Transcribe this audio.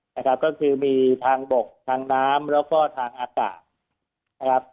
นะครับก็คือมีทางบกทางน้ำแล้วก็ทางอากาศนะครับ